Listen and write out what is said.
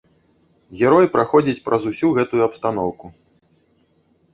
Герой праходзіць праз усю гэтую абстаноўку.